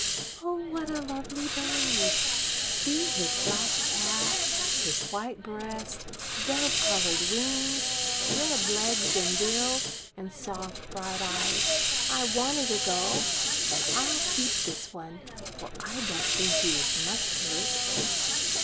"Oh, what a lovely bird! See his black cap, his white breast, dove colored wings, red legs and bill, and soft, bright eyes. I wanted a gull; and I'll keep this one, for I don't think he is much hurt."